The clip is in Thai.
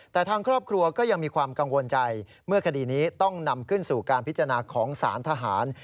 แต่ทางครอบครัวก็ยังมีความกังวลใจเมื่อคดีนี้ต้องนำขึ้นสู่การพิจารณาของสารทหาร